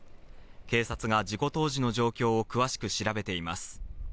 警察が事故当時の状況を詳しく調べています。